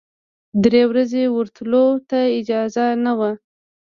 درې ورځې ورتللو ته اجازه نه وه.